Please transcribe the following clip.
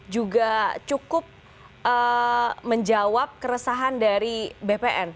juga cukup menjawab keresahan dari bpn